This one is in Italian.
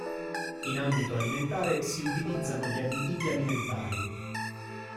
In ambito alimentare si utilizzano gli additivi alimentari.